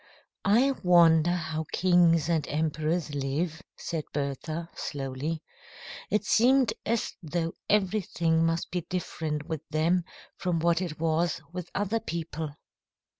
"I wonder how kings and emperors live," said Bertha, slowly. It seemed as though everything must be different with them from what it was with other people.